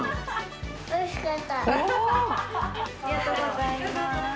ありがとうございます。